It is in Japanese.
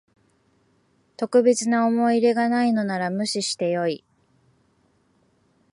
特別な思い入れがないのなら無視してよい